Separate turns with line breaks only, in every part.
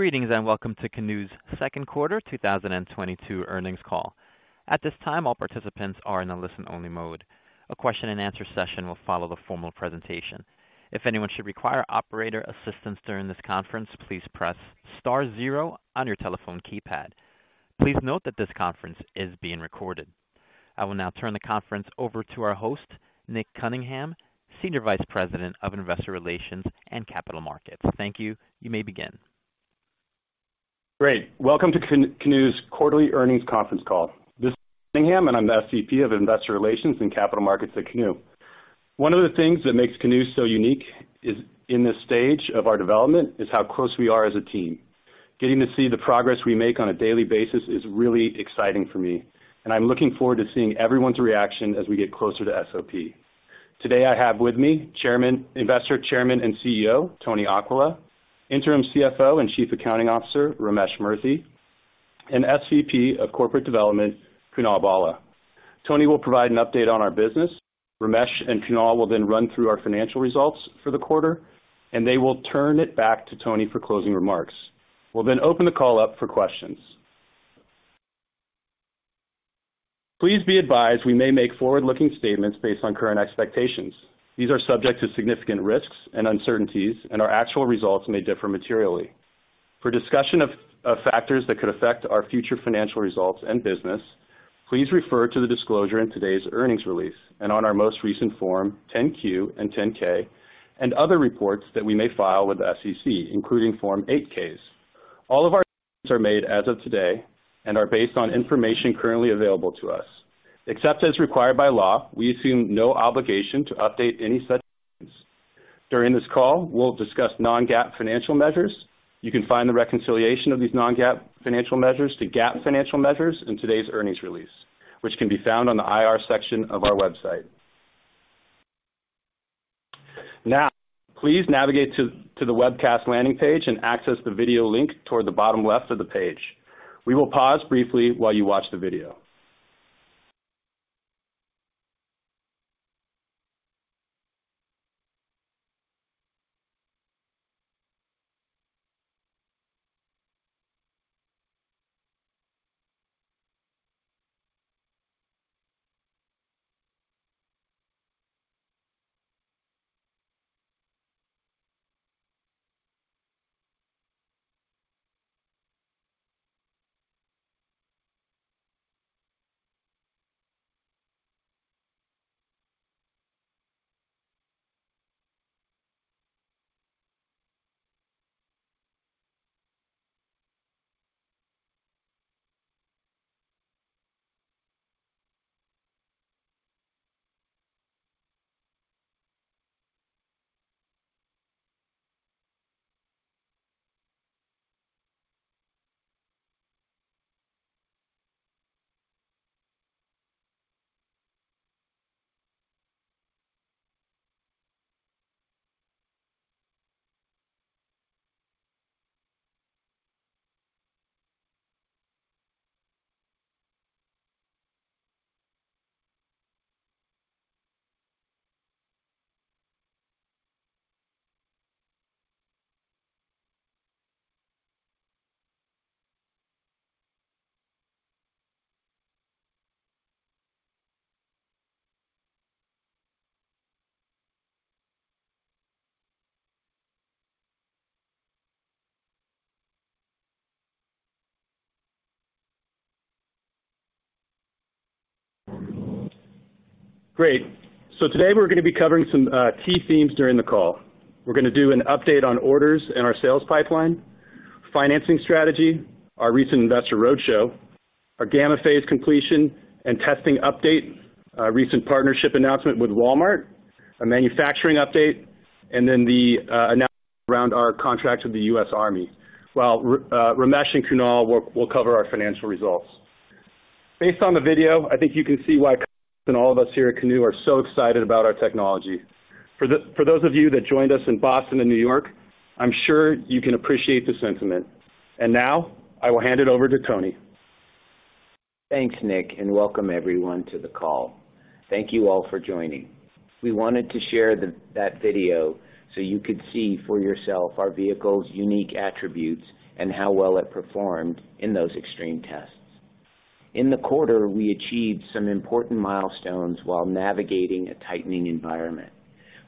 Greetings, and welcome to Canoo's second quarter 2022 earnings call. At this time, all participants are in a listen-only mode. A question and answer session will follow the formal presentation. If anyone should require operator assistance during this conference, please press star zero on your telephone keypad. Please note that this conference is being recorded. I will now turn the conference over to our host, Nick Cunningham, Senior Vice President of Investor Relations and Capital Markets. Thank you. You may begin.
Great. Welcome to Canoo's quarterly earnings conference call. This is Nick Cunningham, and I'm the Senior Vice President of Investor Relations and Capital Markets at Canoo. One of the things that makes Canoo so unique in this stage of our development is how close we are as a team. Getting to see the progress we make on a daily basis is really exciting for me, and I'm looking forward to seeing everyone's reaction as we get closer to SOP. Today, I have with me Chairman, investor, and Chief Executive Officer, Tony Aquila, Interim Chief Financial Officer and Chief Accounting Officer, Ramesh Murthy, and Senior Vice President of Corporate Development, Kunal Bhalla. Tony will provide an update on our business. Ramesh and Kunal will then run through our financial results for the quarter, and they will turn it back to Tony for closing remarks. We'll then open the call up for questions. Please be advised we may make forward-looking statements based on current expectations. These are subject to significant risks and uncertainties, and our actual results may differ materially. For discussion of factors that could affect our future financial results and business, please refer to the disclosure in today's earnings release and on our most recent Form 10-Q and 10-K and other reports that we may file with the SEC, including Form 8-Ks. All of our statements are made as of today and are based on information currently available to us. Except as required by law, we assume no obligation to update any such statements. During this call, we'll discuss Non-GAAP financial measures. You can find the reconciliation of these Non-GAAP financial measures to GAAP financial measures in today's earnings release, which can be found on the IR section of our website. Now, please navigate to the webcast landing page and access the video link toward the bottom left of the page. We will pause briefly while you watch the video. Great. Today we're gonna be covering some key themes during the call. We're gonna do an update on orders in our sales pipeline, financing strategy, our recent investor roadshow, our Gamma phase completion and testing update, a recent partnership announcement with Walmart, a manufacturing update, and then the announcement around our contract with the U.S. Army, while Ramesh and Kunal will cover our financial results. Based on the video, I think you can see why customers and all of us here at Canoo are so excited about our technology. For those of you that joined us in Boston and New York, I'm sure you can appreciate the sentiment. Now I will hand it over to Tony.
Thanks, Nick, and welcome everyone to the call. Thank you all for joining. We wanted to share that video so you could see for yourself our vehicle's unique attributes and how well it performed in those extreme tests. In the quarter, we achieved some important milestones while navigating a tightening environment.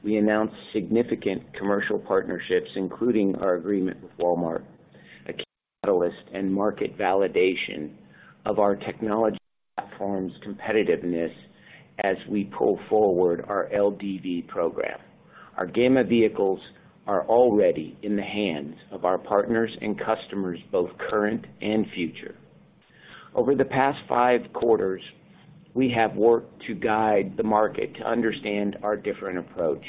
We announced significant commercial partnerships, including our agreement with Walmart, a catalyst and market validation of our technology platform's competitiveness as we pull forward our LDV program. Our Gamma vehicles are already in the hands of our partners and customers, both current and future. Over the past five quarters, we have worked to guide the market to understand our different approach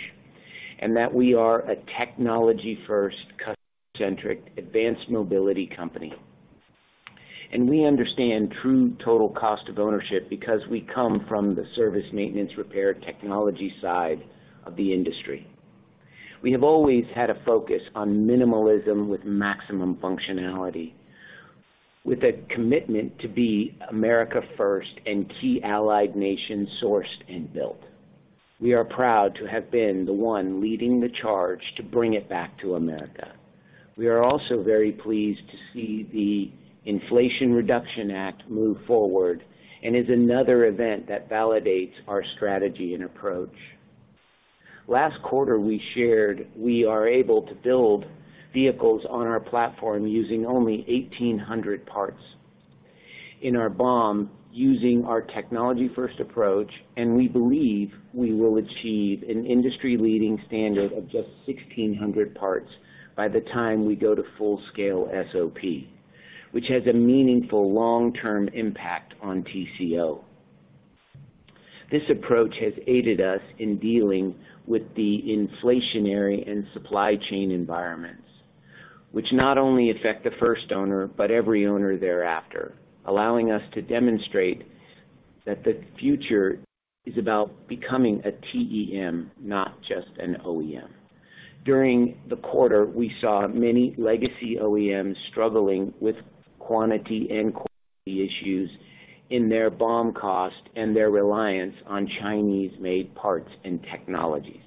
and that we are a technology-first, customer-centric advanced mobility company. We understand true total cost of ownership because we come from the service maintenance repair technology side of the industry. We have always had a focus on minimalism with maximum functionality. With a commitment to be America first and key allied nation sourced and built. We are proud to have been the one leading the charge to bring it back to America. We are also very pleased to see the Inflation Reduction Act move forward, and is another event that validates our strategy and approach. Last quarter we shared we are able to build vehicles on our platform using only 1,800 parts in our BOM, using our technology-first approach, and we believe we will achieve an industry-leading standard of just 1,600 parts by the time we go to full-scale SOP, which has a meaningful long-term impact on TCO. This approach has aided us in dealing with the inflationary and supply chain environments, which not only affect the first owner, but every owner thereafter, allowing us to demonstrate that the future is about becoming a TEM, not just an OEM. During the quarter, we saw many legacy OEMs struggling with quantity and quality issues in their BOM cost and their reliance on Chinese-made parts and technologies.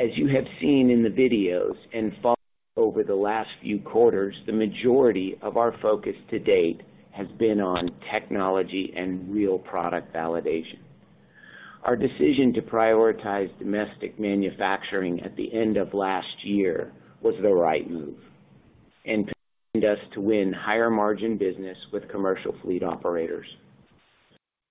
As you have seen in the videos and files over the last few quarters, the majority of our focus to date has been on technology and real product validation. Our decision to prioritize domestic manufacturing at the end of last year was the right move and positioned us to win higher margin business with commercial fleet operators.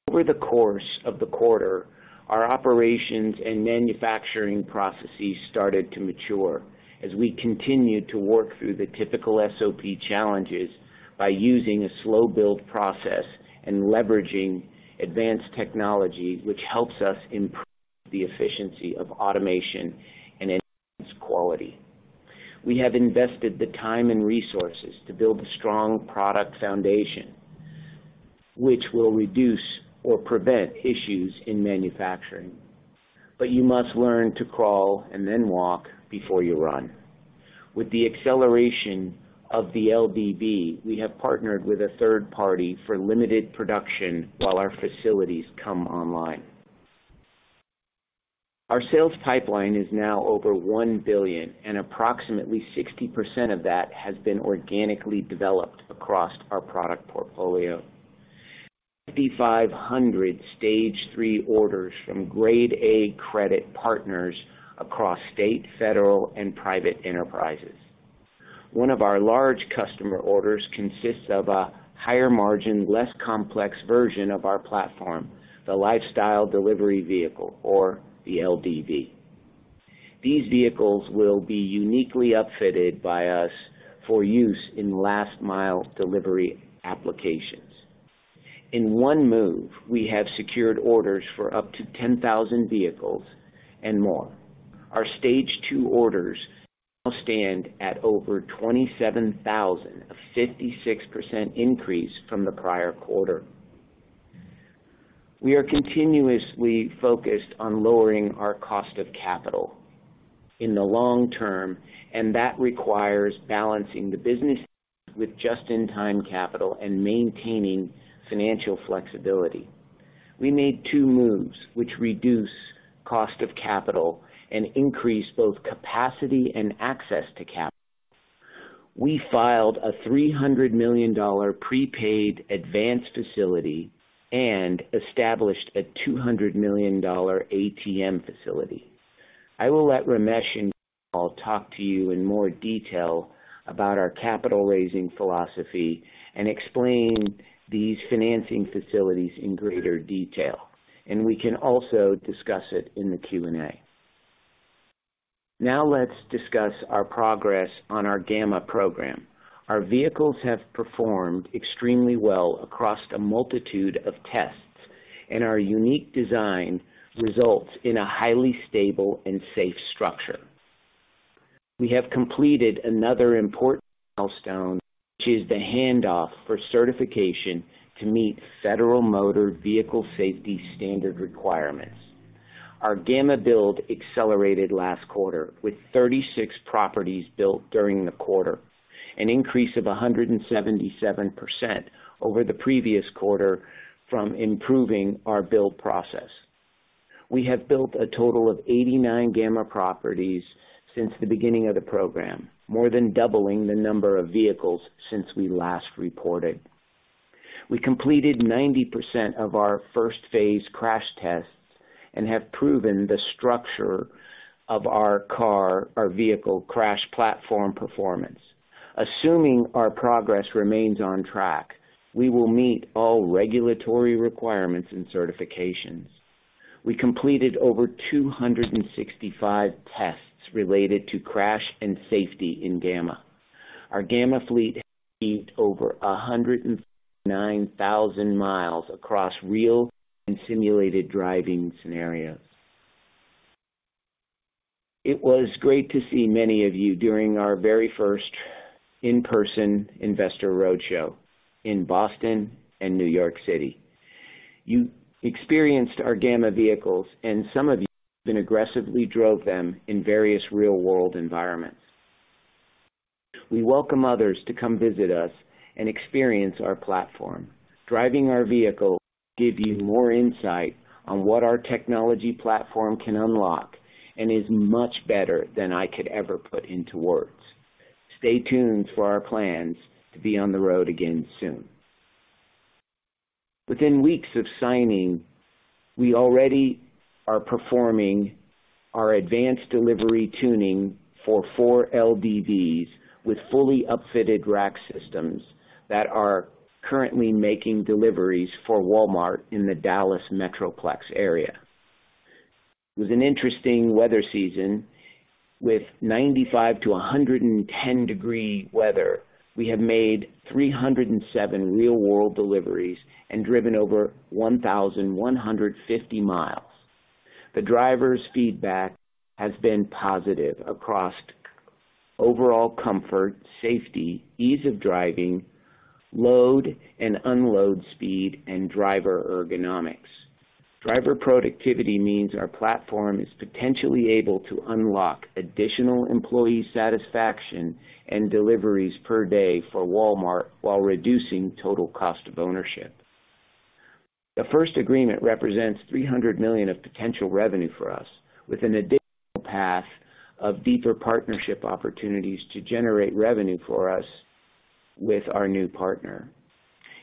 Over the course of the quarter, our operations and manufacturing processes started to mature as we continued to work through the typical SOP challenges by using a slow build process and leveraging advanced technology, which helps us improve the efficiency of automation and enhance quality. We have invested the time and resources to build a strong product foundation which will reduce or prevent issues in manufacturing. You must learn to crawl and then walk before you run. With the acceleration of the LDV, we have partnered with a third party for limited production while our facilities come online. Our sales pipeline is now over $1 billion, and approximately 60% of that has been organically developed across our product portfolio. 5,500 Stage 3 orders from grade A credit partners across state, federal, and private enterprises. One of our large customer orders consists of a higher margin, less complex version of our platform, the Lifestyle Delivery Vehicle, or the LDV. These vehicles will be uniquely upfitted by us for use in last mile delivery applications. In one move, we have secured orders for up to 10,000 vehicles and more. Our Stage two orders now stand at over 27,000 vehicles, a 56% increase from the prior quarter. We are continuously focused on lowering our cost of capital in the long term, and that requires balancing the business with just-in-time capital and maintaining financial flexibility. We made two moves which reduce cost of capital and increase both capacity and access to capital. We filed a $300 million prepaid advance facility and established a $200 million ATM facility. I will let Ramesh and Kunal talk to you in more detail about our capital raising philosophy and explain these financing facilities in greater detail, and we can also discuss it in the Q&A. Now let's discuss our progress on our Gamma program. Our vehicles have performed extremely well across a multitude of tests, and our unique design results in a highly stable and safe structure. We have completed another important milestone, which is the handoff for certification to meet Federal Motor Vehicle Safety Standard requirements. Our Gamma build accelerated last quarter with 36 properties built during the quarter, an increase of 177% over the previous quarter from improving our build process. We have built a total of 89 Gamma properties since the beginning of the program, more than doubling the number of vehicles since we last reported. We completed 90% of our first phase crash tests and have proven the structure of our car, our vehicle crash platform performance. Assuming our progress remains on track, we will meet all regulatory requirements and certifications. We completed over 265 tests related to crash and safety in Gamma. Our Gamma fleet achieved over 149,000 miles across real and simulated driving scenarios. It was great to see many of you during our very first in-person investor roadshow in Boston and New York City. You experienced our Gamma vehicles and some of you even aggressively drove them in various real-world environments. We welcome others to come visit us and experience our platform. Driving our vehicle will give you more insight on what our technology platform can unlock and is much better than I could ever put into words. Stay tuned for our plans to be on the road again soon. Within weeks of signing, we already are performing our advanced delivery tuning for four LDVs with fully upfitted rack systems that are currently making deliveries for Walmart in the Dallas Metroplex area. With an interesting weather season, with 95-degree to 110-degree weather, we have made 307 real-world deliveries and driven over 1,150 miles. The drivers' feedback has been positive across overall comfort, safety, ease of driving, load and unload speed, and driver ergonomics. Driver productivity means our platform is potentially able to unlock additional employee satisfaction and deliveries per day for Walmart while reducing total cost of ownership. The first agreement represents $300 million of potential revenue for us with an additional path of deeper partnership opportunities to generate revenue for us with our new partner.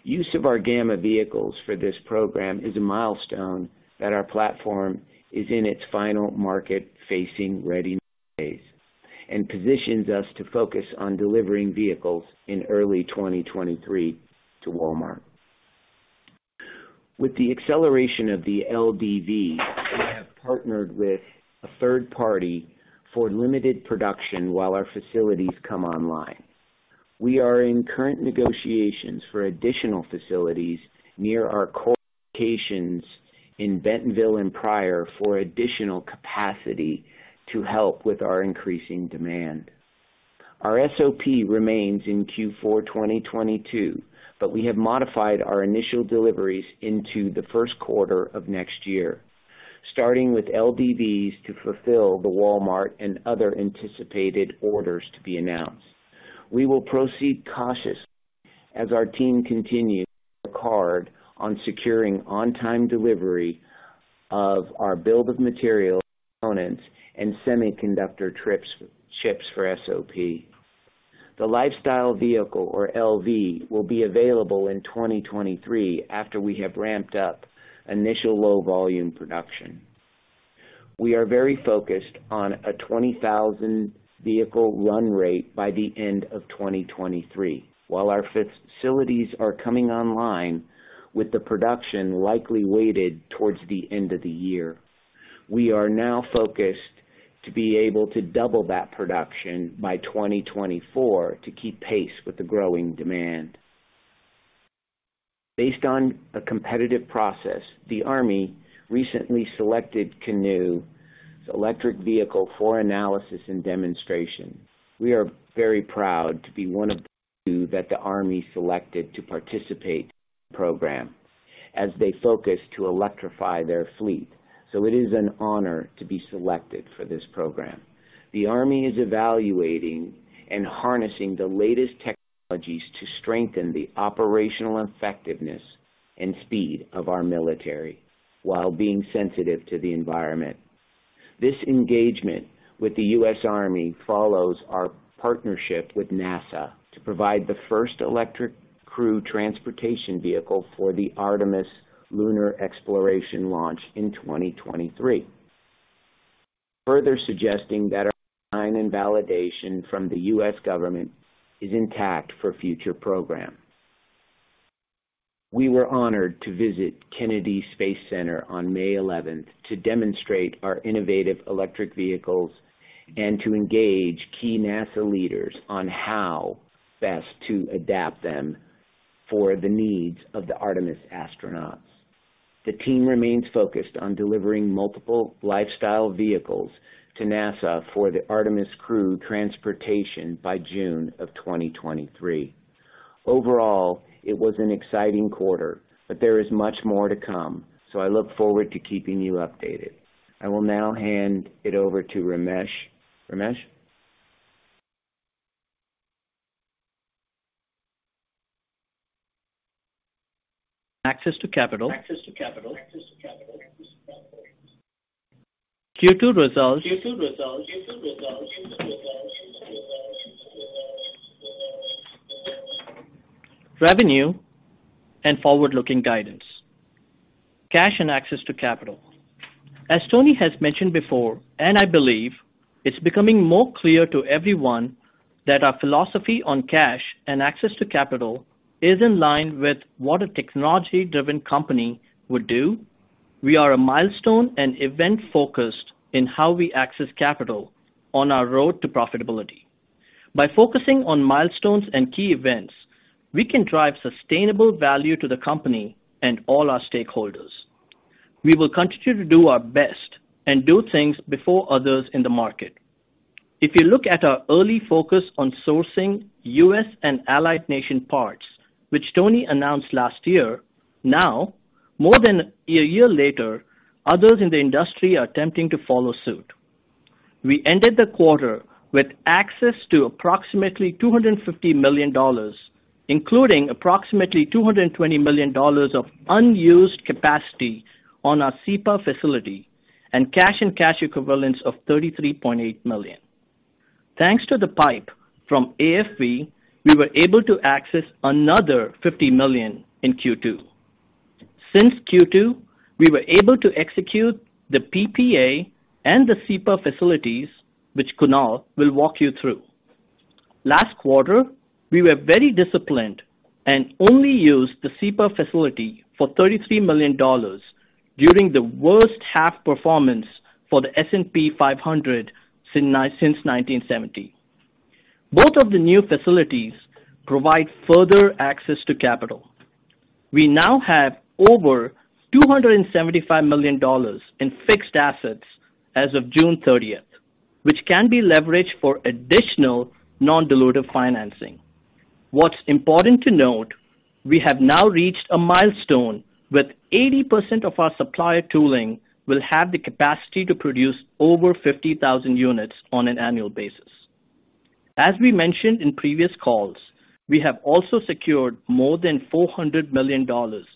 Use of our Gamma vehicles for this program is a milestone that our platform is in its final market-facing readiness phase and positions us to focus on delivering vehicles in early 2023 to Walmart. With the acceleration of the LDV, we have partnered with a third party for limited production while our facilities come online. We are in current negotiations for additional facilities near our core locations in Bentonville and Pryor for additional capacity to help with our increasing demand. Our SOP remains in Q4 2022, but we have modified our initial deliveries into the first quarter of next year, starting with LDVs to fulfill the Walmart and other anticipated orders to be announced. We will proceed cautiously as our team continues to work hard on securing on-time delivery of our bill of materials, components, and semiconductor chips for SOP. The Lifestyle Vehicle, or LV, will be available in 2023 after we have ramped up initial low volume production. We are very focused on a 20,000 vehicle run rate by the end of 2023, while our facilities are coming online with the production likely weighted towards the end of the year. We are now focused to be able to double that production by 2024 to keep pace with the growing demand. Based on a competitive process, the Army recently selected Canoo electric vehicle for analysis and demonstration. We are very proud to be one of the few that the Army selected to participate in the program as they focus to electrify their fleet. It is an honor to be selected for this program. The Army is evaluating and harnessing the latest technologies to strengthen the operational effectiveness and speed of our military while being sensitive to the environment. This engagement with the U.S. Army follows our partnership with NASA to provide the first electric crew transportation vehicle for the Artemis lunar exploration launch in 2023, further suggesting that our design and validation from the U.S. government is intact for future programs. We were honored to visit Kennedy Space Center on May eleventh to demonstrate our innovative electric vehicles and to engage key NASA leaders on how best to adapt them for the needs of the Artemis astronauts. The team remains focused on delivering multiple Lifestyle Vehicles to NASA for the Artemis crew transportation by June of 2023. Overall, it was an exciting quarter, but there is much more to come, so I look forward to keeping you updated. I will now hand it over to Ramesh. Ramesh?
Access to capital. Q2 results. Revenue and forward-looking guidance. Cash and access to capital. As Tony has mentioned before, and I believe it's becoming more clear to everyone that our philosophy on cash and access to capital is in line with what a technology-driven company would do. We are a milestone and event-focused in how we access capital on our road to profitability. By focusing on milestones and key events, we can drive sustainable value to the company and all our stakeholders. We will continue to do our best and do things before others in the market. If you look at our early focus on sourcing U.S. and allied nation parts, which Tony announced last year, now, more than a year later, others in the industry are attempting to follow suit. We ended the quarter with access to approximately $250 million, including approximately $220 million of unused capacity on our SEPA facility and cash and cash equivalents of $33.8 million. Thanks to the PIPE from AFV, we were able to access another $50 million in Q2. Since Q2, we were able to execute the PPA and the SEPA facilities, which Kunal will walk you through. Last quarter, we were very disciplined and only used the SEPA facility for $33 million during the worst half performance for the S&P 500 since 1970. Both of the new facilities provide further access to capital. We now have over $275 million in fixed assets as of June 30th, which can be leveraged for additional non-dilutive financing. What's important to note, we have now reached a milestone with 80% of our supplier tooling will have the capacity to produce over 50,000 units on an annual basis. As we mentioned in previous calls, we have also secured more than $400 million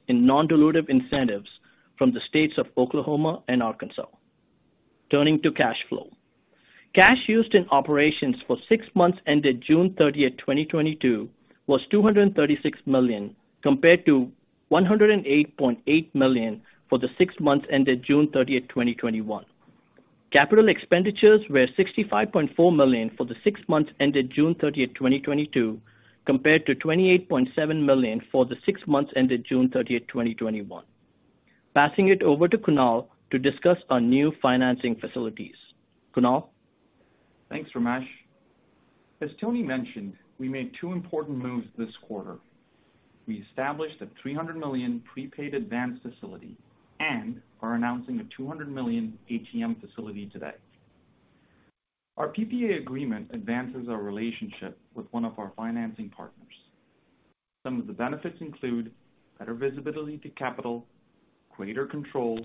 in non-dilutive incentives from the states of Oklahoma and Arkansas. Turning to cash flow. Cash used in operations for six months ended June 30th, 2022 was $236 million, compared to $108.8 million for the six months ended June 30th, 2021. Capital expenditures were $65.4 million for the six months ended June 30th, 2022, compared to $28.7 million for the six months ended June 30th, 2021. Passing it over to Kunal to discuss our new financing facilities. Kunal.
Thanks, Ramesh. As Tony mentioned, we made two important moves this quarter. We established a $300 million prepaid advance facility and are announcing a $200 million ATM facility today. Our PPA agreement advances our relationship with one of our financing partners. Some of the benefits include better visibility to capital, greater control,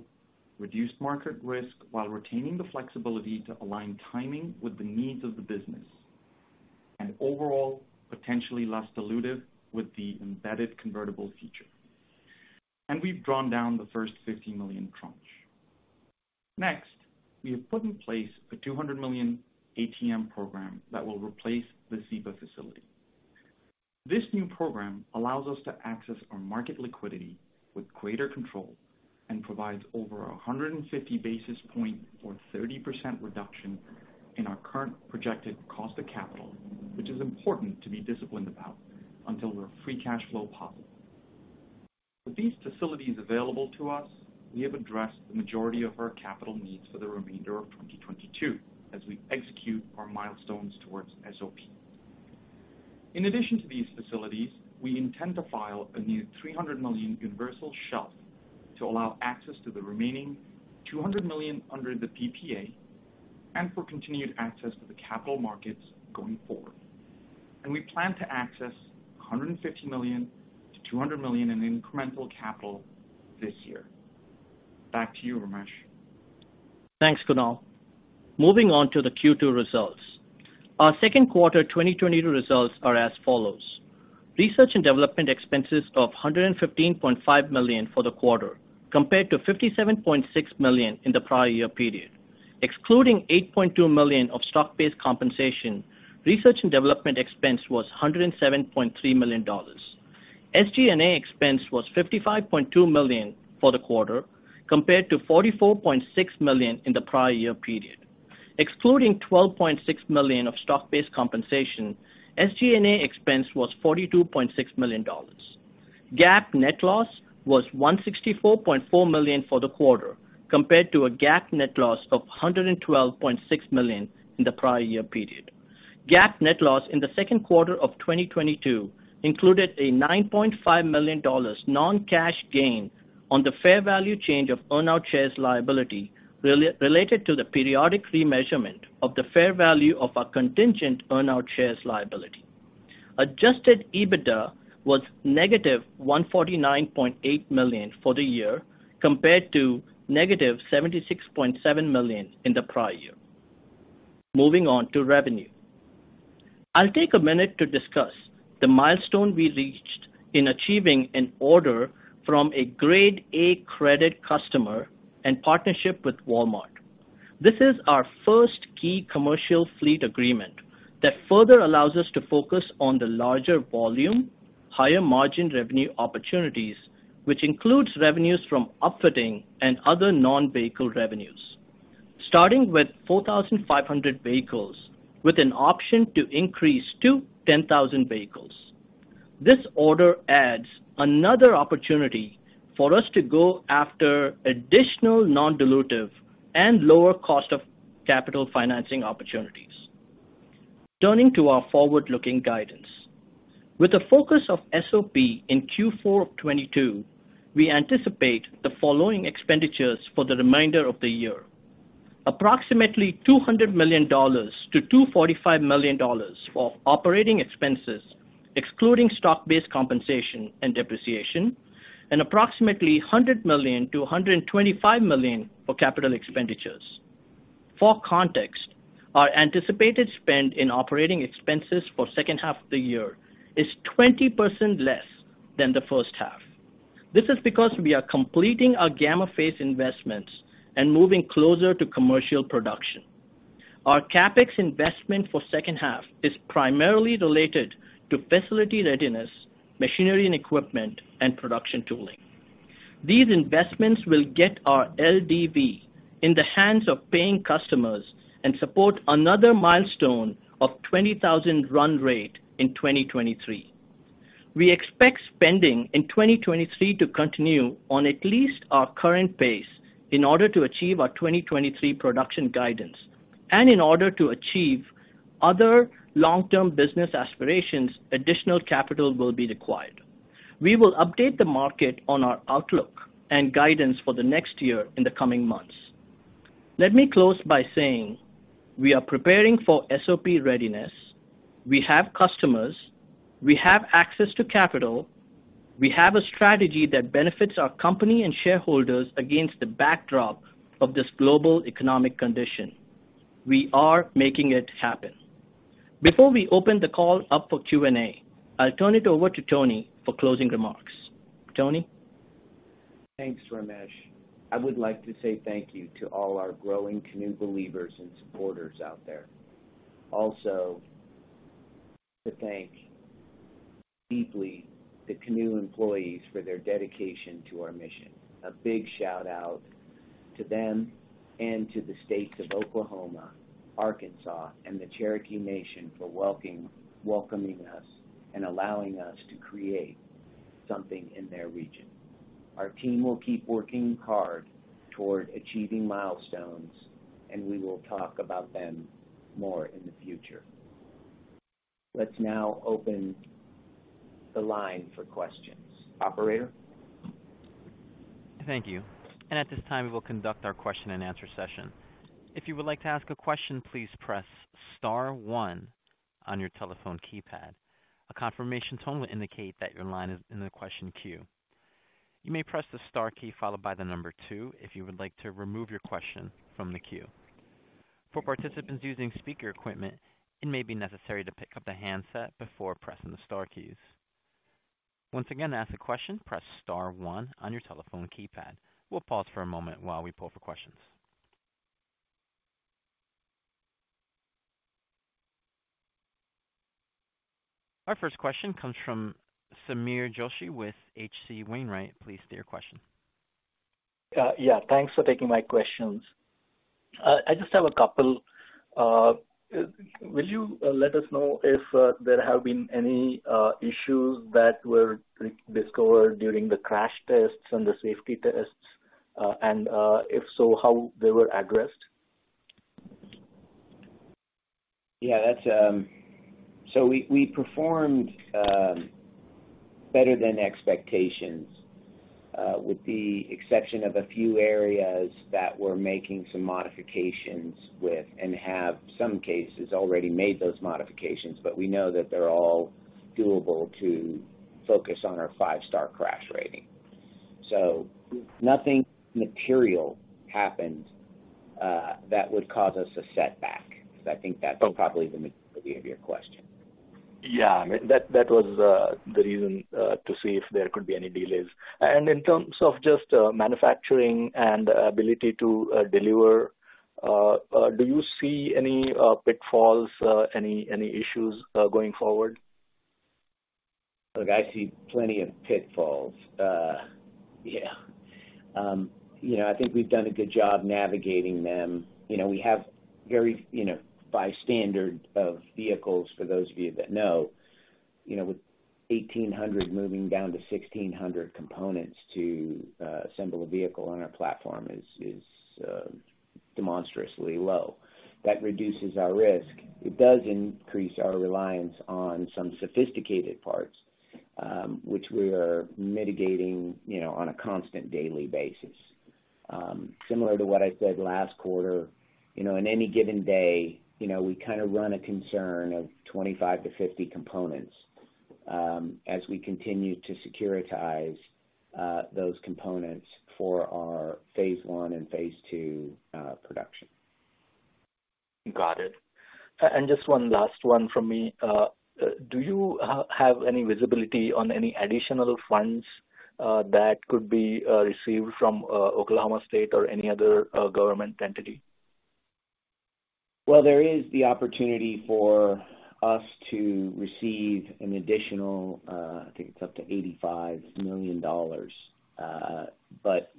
reduced market risk while retaining the flexibility to align timing with the needs of the business, and overall, potentially less dilutive with the embedded convertible feature. We've drawn down the first $50 million tranche. Next, we have put in place a $200 million ATM program that will replace the SEPA facility. This new program allows us to access our market liquidity with greater control and provides over 150 basis points or 30% reduction in our current projected cost of capital, which is important to be disciplined about until we're free cash flow positive. With these facilities available to us, we have addressed the majority of our capital needs for the remainder of 2022 as we execute our milestones towards SOP. In addition to these facilities, we intend to file a new $300 million universal shelf to allow access to the remaining $200 million under the PPA and for continued access to the capital markets going forward. We plan to access $150 million-$200 million in incremental capital this year. Back to you, Ramesh.
Thanks, Kunal. Moving on to the Q2 results. Our Q2 2022 results are as follows: R&D expenses of $115.5 million for the quarter, compared to $57.6 million in the prior year period. Excluding $8.2 million of stock-based compensation, R&D expense was $107.3 million. SG&A expense was $55.2 million for the quarter, compared to $44.6 million in the prior year period. Excluding $12.6 million of stock-based compensation, SG&A expense was $42.6 million. GAAP net loss was $164.4 million for the quarter, compared to a GAAP net loss of $112.6 million in the prior year period. GAAP net loss in the second quarter of 2022 included a $9.5 million non-cash gain on the fair value change of earnout shares liability related to the periodic remeasurement of the fair value of our contingent earnout shares liability. Adjusted EBITDA was negative $149.8 million for the year, compared to negative $76.7 million in the prior year. Moving on to revenue. I'll take a minute to discuss the milestone we reached in achieving an order from a Grade A credit customer and partnership with Walmart. This is our first key commercial fleet agreement that further allows us to focus on the larger volume, higher margin revenue opportunities, which includes revenues from upfitting and other non-vehicle revenues. Starting with 4,500 vehicles with an option to increase to 10,000 vehicles. This order adds another opportunity for us to go after additional non-dilutive and lower cost of capital financing opportunities. Turning to our forward-looking guidance. With a focus of SOP in Q4 of 2022, we anticipate the following expenditures for the remainder of the year. Approximately $200 million-$245 million for operating expenses, excluding stock-based compensation and depreciation, and approximately $100 million-$125 million for capital expenditures. For context, our anticipated spend in operating expenses for second half of the year is 20% less than the first half. This is because we are completing our Gamma phase investments and moving closer to commercial production. Our CapEx investment for second half is primarily related to facility readiness, machinery and equipment, and production tooling. These investments will get our LDV in the hands of paying customers and support another milestone of 20,000 vehicles run rate in 2023. We expect spending in 2023 to continue on at least our current pace in order to achieve our 2023 production guidance. In order to achieve other long-term business aspirations, additional capital will be required. We will update the market on our outlook and guidance for the next year in the coming months. Let me close by saying we are preparing for SOP readiness. We have customers. We have access to capital. We have a strategy that benefits our company and shareholders against the backdrop of this global economic condition. We are making it happen. Before we open the call up for Q&A, I'll turn it over to Tony for closing remarks. Tony?
Thanks, Ramesh. I would like to say thank you to all our growing Canoo believers and supporters out there. Also, to thank deeply the Canoo employees for their dedication to our mission. A big shout out to them and to the states of Oklahoma, Arkansas, and the Cherokee Nation for welcoming us and allowing us to create something in their region. Our team will keep working hard toward achieving milestones, and we will talk about them more in the future. Let's now open the line for questions. Operator?
Thank you. At this time, we will conduct our question-and-answer session. If you would like to ask a question, please press star one on your telephone keypad. A confirmation tone will indicate that your line is in the question queue. You may press the star key followed by the number two if you would like to remove your question from the queue. For participants using speaker equipment, it may be necessary to pick up the handset before pressing the star keys. Once again, to ask a question, press star one on your telephone keypad. We'll pause for a moment while we pull for questions. Our first question comes from Sameer Joshi with H.C. Wainwright. Please state your question.
Yeah, thanks for taking my questions. I just have a couple. Will you let us know if there have been any issues that were rediscovered during the crash tests and the safety tests? If so, how were they addressed?
Yeah, that's. We performed better than expectations with the exception of a few areas that we're making some modifications with and have in some cases already made those modifications. We know that they're all doable to focus on our five-star crash rating. Nothing material happened that would cause us a setback, because I think that's probably the meat of your question.
Yeah, that was the reason to see if there could be any delays. In terms of just manufacturing and ability to deliver, do you see any pitfalls, any issues going forward?
Look, I see plenty of pitfalls. You know, I think we've done a good job navigating them. You know, we have very, you know, by standards of vehicles for those of you that know, you know, with 1,800 components moving down to 1,600 components to assemble a vehicle on our platform is demonstrably low. That reduces our risk. It does increase our reliance on some sophisticated parts, which we are mitigating, you know, on a constant daily basis. Similar to what I said last quarter, you know, in any given day, you know, we kind of run concerns of 25 components-50 components as we continue to scrutinize those components for our phase one and phase two production.
Got it. Just one last one from me. Do you have any visibility on any additional funds that could be received from Oklahoma State or any other government entity?
Well, there is the opportunity for us to receive an additional, I think it's up to $85 million.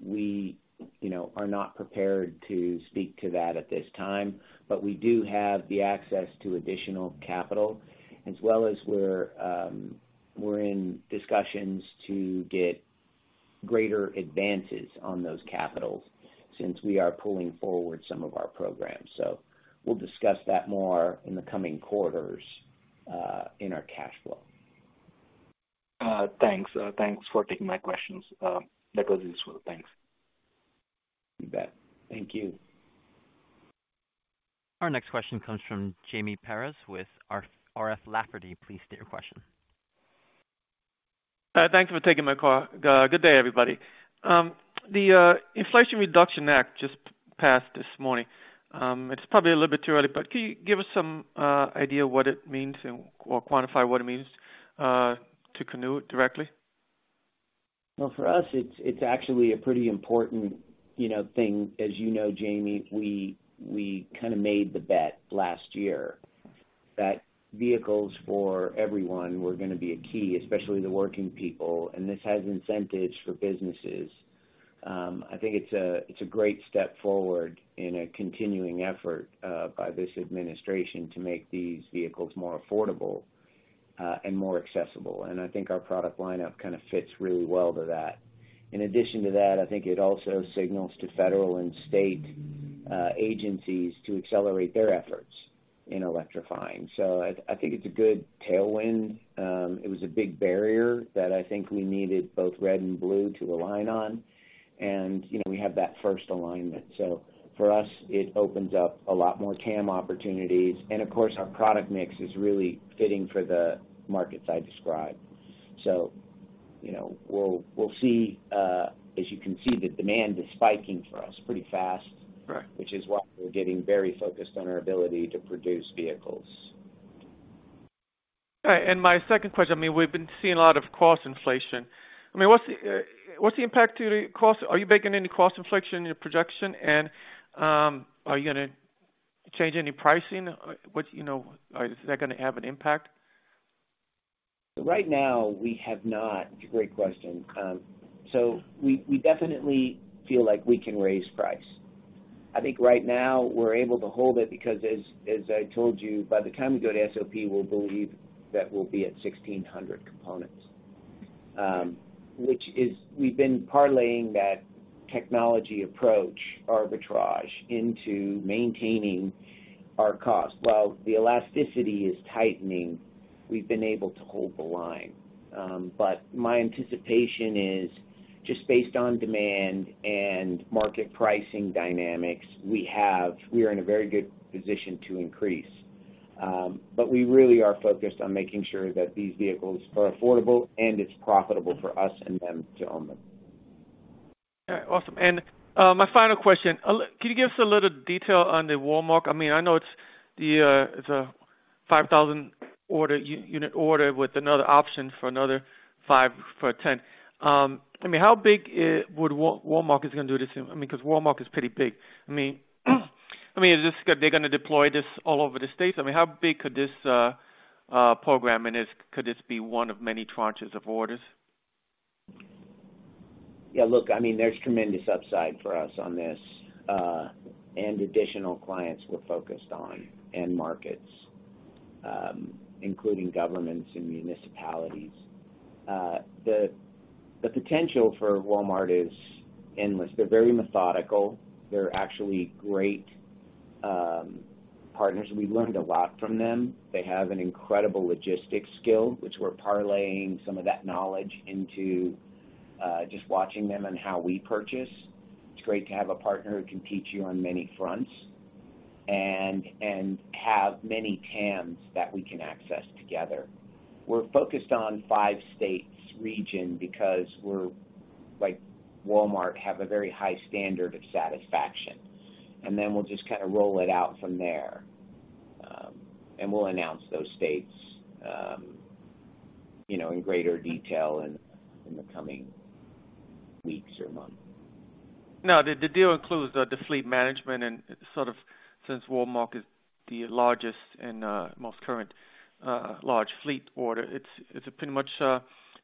We, you know, are not prepared to speak to that at this time. We do have access to additional capital, as well as we're in discussions to get greater advances on that capital since we are pulling forward some of our programs. We'll discuss that more in the coming quarters, in our cash flow.
Thanks. Thanks for taking my questions. That was useful. Thanks.
You bet. Thank you.
Our next question comes from Jaime Perez with R.F. Lafferty. Please state your question.
Thank you for taking my call. Good day, everybody. The Inflation Reduction Act just passed this morning. It's probably a little bit too early, but can you give us some idea what it means or quantify what it means to Canoo directly?
Well, for us, it's actually a pretty important, you know, thing. As you know, Jaime, we kinda made the bet last year that vehicles for everyone were gonna be a key, especially the working people, and this has incentives for businesses. I think it's a great step forward in a continuing effort by this administration to make these vehicles more affordable and more accessible. I think our product lineup kinda fits really well to that. In addition to that, I think it also signals to federal and state agencies to accelerate their efforts in electrifying. I think it's a good tailwind. It was a big barrier that I think we needed both Red and Blue to align on. You know, we have that first alignment. For us, it opens up a lot more TAM opportunities. Of course, our product mix is really fitting for the markets I described. You know, we'll see, as you can see, the demand is spiking for us pretty fast.
Right.
Which is why we're getting very focused on our ability to produce vehicles.
All right. My second question, I mean, we've been seeing a lot of cost inflation. I mean, what's the impact to your cost? Are you baking any cost inflation in your projection? Are you gonna change any pricing? You know, is that gonna have an impact?
Right now, we have not. Great question. So we definitely feel like we can raise price. I think right now we're able to hold it because as I told you, by the time we go to SOP, we'll believe that we'll be at 1,600 components. Which is we've been parlaying that technology approach arbitrage into maintaining our cost. While the elasticity is tightening, we've been able to hold the line. But my anticipation is just based on demand and market pricing dynamics, we are in a very good position to increase. But we really are focused on making sure that these vehicles are affordable and it's profitable for us and them to own them.
All right. Awesome. My final question. Can you give us a little detail on the Walmart? I mean, I know it's the 5,000 unit order with another option for another 5,000 unit. I mean, how big is Walmart gonna do this in? I mean, 'cause Walmart is pretty big. I mean, they're gonna deploy this all over the states? I mean, how big could this program, and could this be one of many tranches of orders?
Yeah, look, I mean, there's tremendous upside for us on this, and additional clients we're focused on, and markets, including governments and municipalities. The potential for Walmart is endless. They're very methodical. They're actually great partners. We've learned a lot from them. They have an incredible logistics skill, which we're parlaying some of that knowledge into, just watching them and how we purchase. It's great to have a partner who can teach you on many fronts and have many TAMs that we can access together. We're focused on five states region because we're, like Walmart, have a very high standard of satisfaction. Then we'll just kinda roll it out from there. We'll announce those states, you know, in greater detail in the coming weeks or months.
Now, the deal includes the fleet management and sort of since Walmart is the largest and most current large fleet order, it's pretty much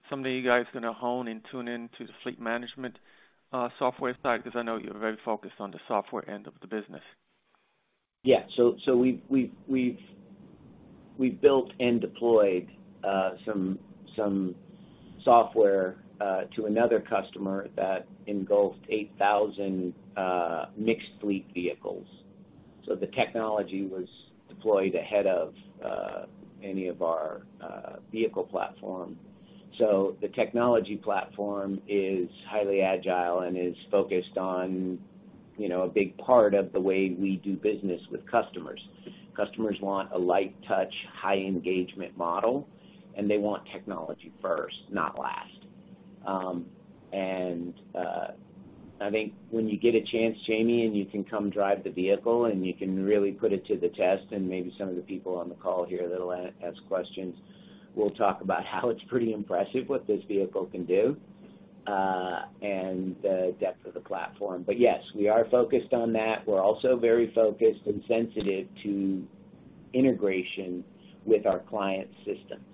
something you guys gonna hone and tune into the fleet management software side, 'cause I know you're very focused on the software end of the business.
Yeah. We've built and deployed some software to another customer that includes 8,000 mixed fleet vehicles. The technology was deployed ahead of any of our vehicle platform. The technology platform is highly agile and is focused on, you know, a big part of the way we do business with customers. Customers want a light touch, high engagement model, and they want technology first, not last. I think when you get a chance, Jaime, and you can come drive the vehicle and you can really put it to the test, and maybe some of the people on the call here that'll ask questions, we'll talk about how it's pretty impressive what this vehicle can do, and the depth of the platform. Yes, we are focused on that. We're also very focused and sensitive to integration with our client systems.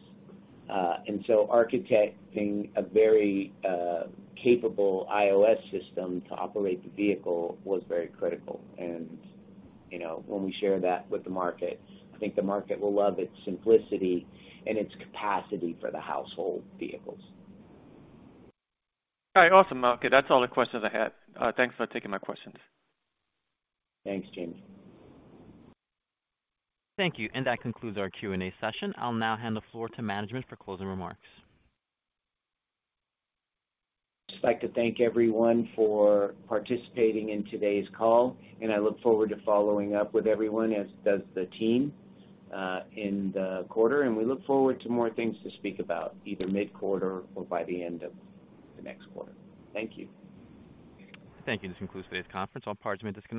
Architecting a very capable OS system to operate the vehicle was very critical. You know, when we share that with the market, I think the market will love its simplicity and its capacity for the household vehicles.
All right. Awesome. Okay. That's all the questions I had. Thanks for taking my questions.
Thanks, Jamie.
Thank you. That concludes our Q&A session. I'll now hand the floor to management for closing remarks.
just like to thank everyone for participating in today's call, and I look forward to following up with everyone, as does the team, in the quarter. We look forward to more things to speak about either mid-quarter or by the end of the next quarter. Thank you.
Thank you. This concludes today's conference. All participants disconnected.